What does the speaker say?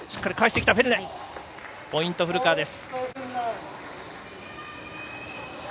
ポイント、古川です。